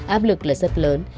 áp lực là rất lớn